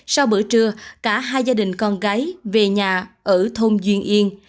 sau bữa trưa cả hai gia đình con gái về nhà ở thôn duyên yên